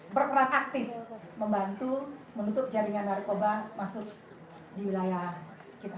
berperan aktif membantu menutup jaringan narkoba masuk di wilayah kita